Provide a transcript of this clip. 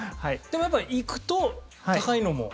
でもやっぱり行くと高いのも？